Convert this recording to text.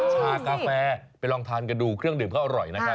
ชากาแฟไปลองทานกันดูเครื่องดื่มเขาอร่อยนะครับ